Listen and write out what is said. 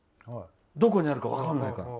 どこにあるか分からないから。